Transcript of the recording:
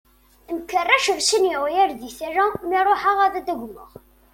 Mkerracen sin yeɣyal di tala mi ṛuḥeɣ ad ad d-agmeɣ.